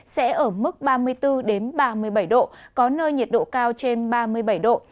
sẽ ở mức ba mươi bốn ba mươi bảy độ có nơi nhiệt độ cao trên ba mươi bảy độ